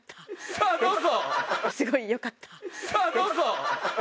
さあどうぞ！